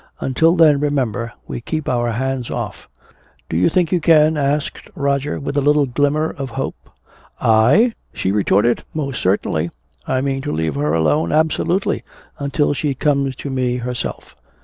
Until then, remember, we keep our hands off." "Do you think you can?" asked Roger, with a little glimmer of hope. "I?" she retorted. "Most certainly! I mean to leave her alone absolutely until she comes to me herself.